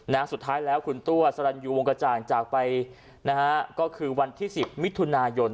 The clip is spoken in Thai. สุดท้ายแล้วคุณตัวสรรยูวงกระจ่างจากไปนะฮะก็คือวันที่สิบมิถุนายน